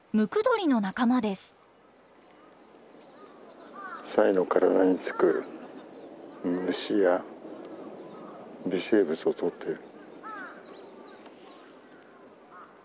サイの体につく虫や微生物をとっている。